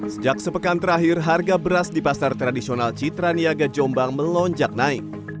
sejak sepekan terakhir harga beras di pasar tradisional citra niaga jombang melonjak naik